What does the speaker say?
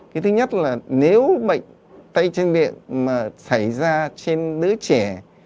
cái thứ nhất là nếu bệnh tay chân miệng mà xảy ra trên đứa trẻ